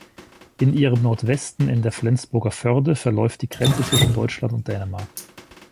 In ihrem Nordwesten in der Flensburger Förde verläuft die Grenze zwischen Deutschland und Dänemark.